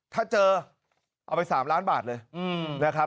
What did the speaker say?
ถ้าเจอเอาไป๓ล้านบาทเลยนะครับ